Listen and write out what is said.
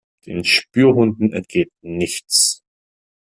Den Spürhunden entgeht nichts.